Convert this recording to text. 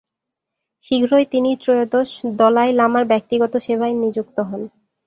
শীঘ্রই তিনি ত্রয়োদশ দলাই লামার ব্যক্তিগত সেবায় নিযুক্ত হন।